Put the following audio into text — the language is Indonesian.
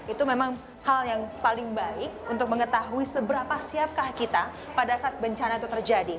itu memang hal yang paling baik untuk mengetahui seberapa siapkah kita pada saat bencana itu terjadi